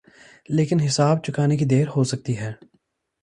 لیکن حساب چکانے کی دیر ہو سکتی ہے۔